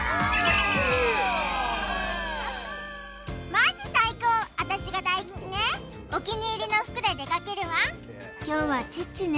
マジ最高私が大吉ねお気に入りの服で出かけるわ凶はチッチね